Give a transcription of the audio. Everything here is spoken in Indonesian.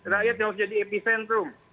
rakyat yang harus jadi epicentrum